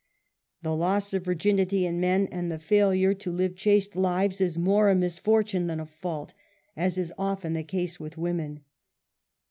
The loss of virginity in men, and the failure ta 22 UNMASKED. live chaste lives is more a misfortune than a fault, as is often the case with women.